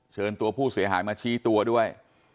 เชิญตัวผู้เสียหายมาชี้ตัวด้วย